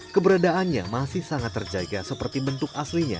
keberadaannya masih sangat terjaga seperti bentuk aslinya